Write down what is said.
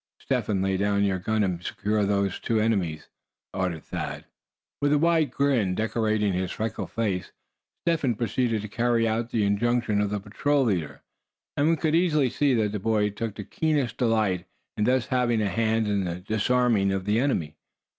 "Step Hen, lay down your gun, and secure those of the enemy," ordered Thad. With a wide grin decorating his freckled face, Step Hen proceeded to carry out the injunction of the patrol leader. And one could easily see that the boy took the keenest delight in thus having a hand in disarming the enemy.